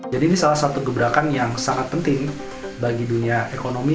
jadi ini salah satu keberakan yang sangat penting bagi dunia ekonomi